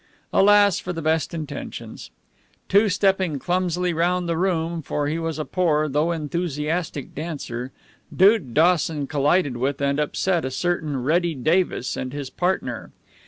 Alas for the best intentions! Two stepping clumsily round the room for he was a poor, though enthusiastic, dancer Dude Dawson collided with and upset a certain Reddy Davis and his partner.